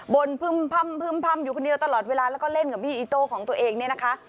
่นพึ่มอยู่คนเดียวตลอดเวลาแล้วก็เล่นกับพี่อิโต้ของตัวเองเนี่ยนะคะ